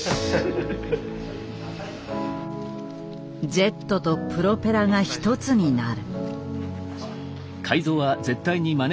ジェットとプロペラが一つになる。